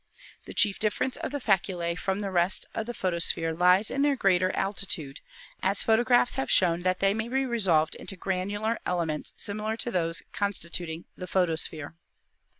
The chief difference of the faculae from the rest of the photo sphere lies in their greater altitude, as photographs have shown that they may be resolved into granular elements similar to those constituting the photosphere.